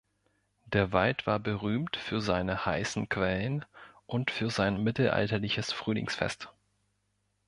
Der Wald war berühmt für seine heißen Quellen und für sein mittelalterliches Frühlingsfest.